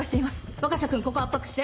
若狭君ここ圧迫して。